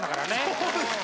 そうですね。